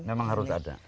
memang harus ada